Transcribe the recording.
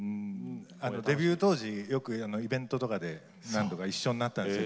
デビュー当時よくイベントとかで何度か一緒になったんですよ